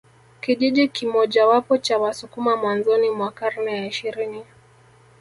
Kijiji kimojawapo cha Wasukuma mwanzoni mwa karne ya ishirini